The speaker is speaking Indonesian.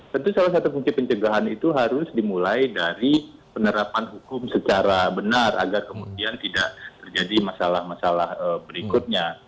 tentu salah satu fungsi pencegahan itu harus dimulai dari penerapan hukum secara benar agar kemudian tidak terjadi masalah masalah berikutnya